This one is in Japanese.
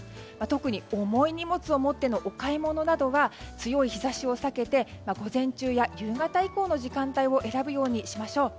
特に重い荷物を持ってのお買い物などは強い日差しを避けて午前中や夕方以降の時間帯を選ぶようにしましょう。